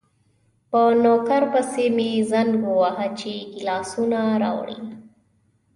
په نوکر پسې مې زنګ وواهه چې ګیلاسونه راوړي.